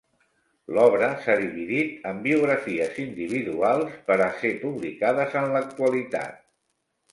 L'obra s'ha dividit en biografies individuals per a ser publicades en l'actualitat.